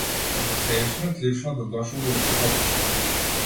Како севишниот лично да дошол и да се потпишал.